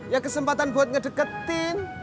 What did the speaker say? ya kesempatan buat ngedeketin